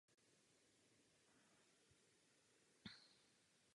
Studenti jsou vybíráni z celého světa na základě zásluh a potenciálu.